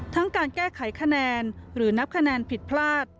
การแก้ไขคะแนนหรือนับคะแนนผิดพลาด